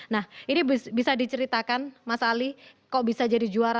nah ini bisa diceritakan mas ali kok bisa jadi juara